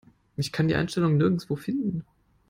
Ich kann die Einstellung nirgendwo finden.